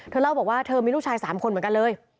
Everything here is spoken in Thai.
เล่าบอกว่าเธอมีลูกชาย๓คนเหมือนกันเลย